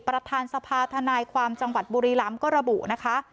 ประธานสภาธนายความจังหวัดบุรีรำก็ระบุนะคะ